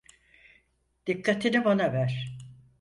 Dikkatini bana ver.